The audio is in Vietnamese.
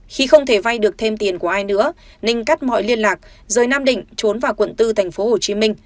khi không thể vay được thêm tiền của ai nữa ninh cắt mọi liên lạc rời nam định trốn vào quận bốn tp hcm